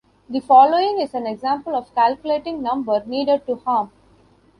The following is an example of calculating number needed to harm.